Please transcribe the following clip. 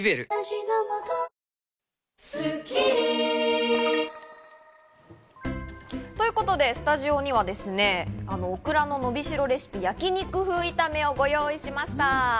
幸せ。ということでスタジオには、オクラののびしろレシピ焼肉風炒めをご用意しました。